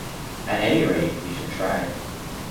At any rate, he should try.